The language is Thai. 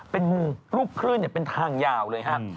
เป็นรูปคลื่นเป็นทางยาวเลยครับ